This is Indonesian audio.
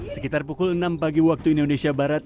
sekitar pukul enam pagi waktu indonesia barat